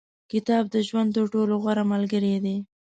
• کتاب، د ژوند تر ټولو غوره ملګری دی.